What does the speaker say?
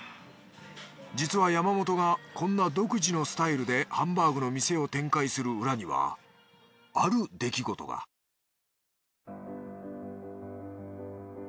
実は山本がこんな独自のスタイルでハンバーグの店を展開する裏にはある出来事が山本。